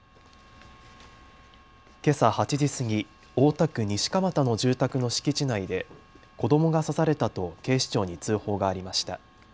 けさ８時過ぎ、大田区西蒲田の住宅の敷地内で子どもが刺されたと警視庁に通報がありました。